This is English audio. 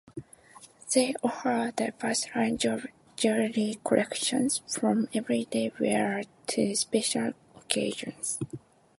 They offer a diverse range of jewelry collections, from everyday wear to special occasions.